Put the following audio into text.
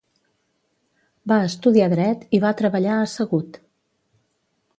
Va estudiar dret i va treballar a l'administració.